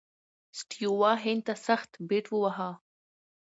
سټیو وا هند ته سخت بیټ وواهه.